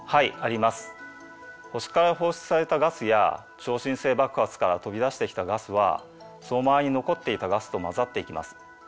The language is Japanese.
星から放出されたガスや超新星爆発から飛び出してきたガスはその周りに残っていたガスと混ざっていきます。